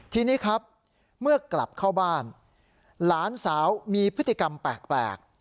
ทีนี้ครับเมื่อกลับเข้าบ้านหลานสาวมีพฤติกรรมแปลก